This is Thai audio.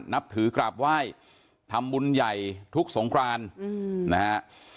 นับถือกราบไหว้ทำบุญใหญ่ทุกสงครานนะฮะ